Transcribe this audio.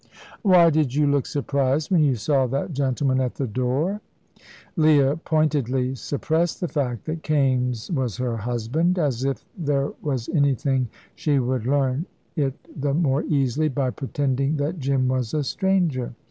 "Why did you look surprised when you saw that gentleman at the door?" Leah pointedly suppressed the fact that Kaimes was her husband, as, if there was anything, she would learn it the more easily by pretending that Jim was a stranger.